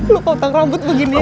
lo kok tang rambut begini aja